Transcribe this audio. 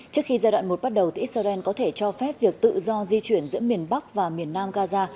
trước khi giai đoạn một bắt đầu thì israel có thể cho phép việc tự do di chuyển giữa miền bắc và miền nam gaza